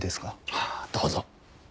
ああどうぞ。